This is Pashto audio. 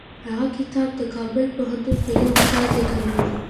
هغه کتاب د کابل پوهنتون یوه استاد لیکلی و.